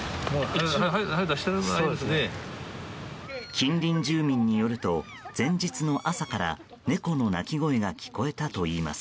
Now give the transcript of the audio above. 近隣住民によると前日の朝から猫の鳴き声が聞こえたといいます。